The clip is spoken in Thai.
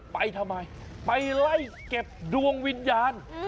ไปทำไมไปไล่เก็บดวงวิญญาณ